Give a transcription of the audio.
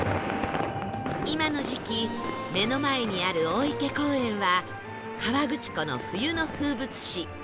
今の時期目の前にある大池公園は河口湖の冬の風物詩